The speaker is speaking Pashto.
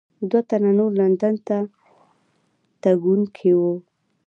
دوه تنه نور لندن ته تګونکي وو.